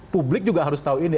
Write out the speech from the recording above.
publik juga harus tahu ini